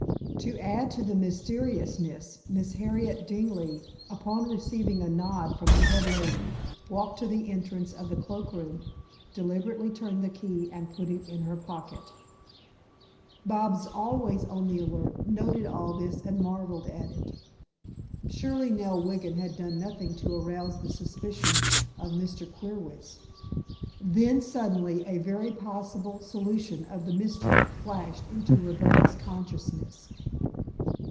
To add to the mysteriousness, Miss Harriet Dingley, upon receiving a nod from the head lady, walked to the entrance of the cloakroom, deliberately turned the key and put it in her pocket. Bobs, always on the alert, noted all this and marveled at it. Surely Nell Wiggin had done nothing to arouse the suspicion of Mr. Queerwitz! Then, suddenly, a very possible solution of the mystery flashed into Roberta's consciousness.